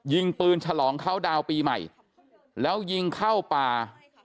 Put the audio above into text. ยิงปืนฉลองเข้าดาวน์ปีใหม่แล้วยิงเข้าป่า